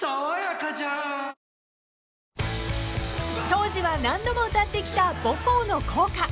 ［当時は何度も歌ってきた母校の校歌］